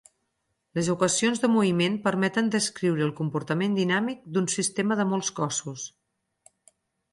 Les equacions de moviment permeten descriure el comportament dinàmic d'un sistema de molts cossos.